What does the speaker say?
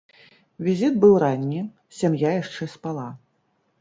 Візіт быў ранні, сям'я яшчэ спала.